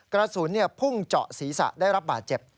กระสุนพุ่งเจาะศีรษะได้รับบาดเจ็บ